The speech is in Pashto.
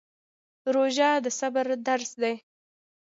روژه د صبر درس دی